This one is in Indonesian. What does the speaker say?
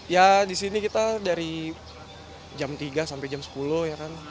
ya di sini kita dari jam tiga sampai jam sepuluh ya kan